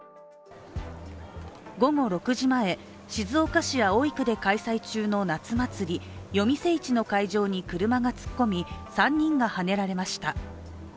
午後６時前、静岡市葵区で開催中の夏祭り夜店市の会場に車が突っ込み、３人がはねられました。